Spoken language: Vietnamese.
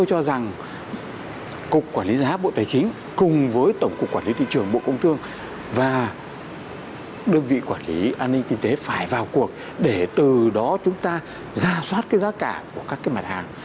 tôi cho rằng cục quản lý giá bộ tài chính cùng với tổng cục quản lý thị trường bộ công thương và đơn vị quản lý an ninh kinh tế phải vào cuộc để từ đó chúng ta giả soát cái giá cả của các cái mặt hàng